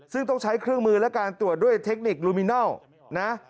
ซึ่งต้องใช้เครื่องมือและการตรวจด้วยเทคนิคลูมินัลนะ